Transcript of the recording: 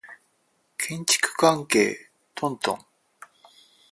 建築関係トントン